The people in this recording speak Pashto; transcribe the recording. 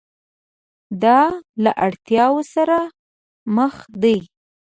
دا له اړتیاوو سره مخ دي.